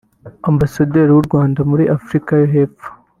Ambasaderi w’u Rwanda muri Afurika y’Epfo